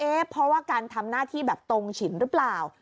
เพราะว่าการทำหน้าที่แบบตรงฉินหรือเปล่า